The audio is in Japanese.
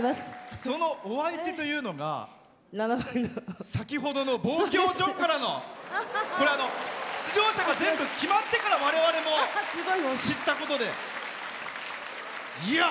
そのお相手というのが先ほどの「望郷じょんから」の出場者が全部、決まってから我々も知ったことで。